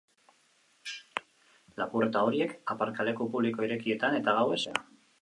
Lapurreta horiek aparkaleku publiko irekietan eta gauez egin ohi dituzte.